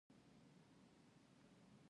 د هغه سترګې له خوښۍ پراخې شوې